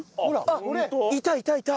あっいたいたいた！